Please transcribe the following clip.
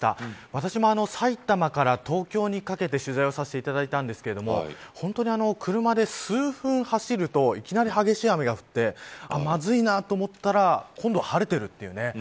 私も埼玉から東京にかけて取材させていただいたんですけれども本当に、車で数分走るといきなり激しい雨が降ってまずいなと思ったら今度は晴れてるというね。